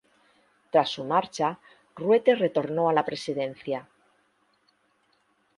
Tras su marcha, Ruete retornó a la presidencia.